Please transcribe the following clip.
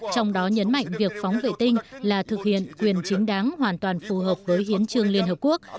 trong đó nhấn mạnh việc phóng vệ tinh là thực hiện quyền chính đáng hoàn toàn phù hợp với hiến trương liên hợp quốc